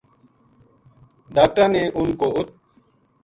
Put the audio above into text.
ڈاکٹراں نے اُنھ کو اُ